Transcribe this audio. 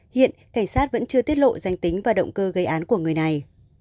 hiện cảnh sát vẫn chưa tiết lộ danh tính và động cơ gây án của người này